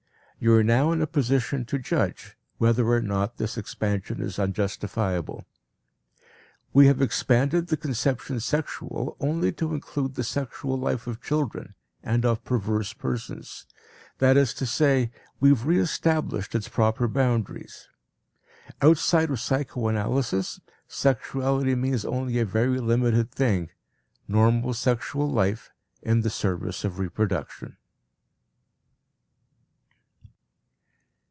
You are now in a position to judge whether or not this expansion is unjustifiable. We have expanded the conception sexual only to include the sexual life of children and of perverse persons. That is to say, we have reëstablished its proper boundaries. Outside of psychoanalysis sexuality means only a very limited thing: normal sexual life in the service of reproduction.